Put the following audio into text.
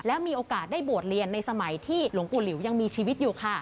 และมีโอกาสได้บวชเรียนในสมัยที่หลวงปู่หลิวยังมีชีวิตอยู่ค่ะ